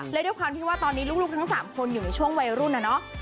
และด้วยความที่ว่าตอนนี้ลูกทั้ง๓คนอยู่ในช่วงวัยรุ่นนะเนาะ